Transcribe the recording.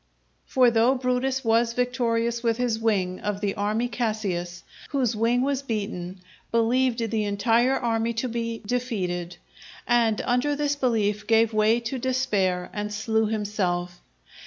For though Brutus was victorious with his wing of the army Cassius, whose wing was beaten, believed the entire army to be defeated, and under this belief gave way to despair and slew himself.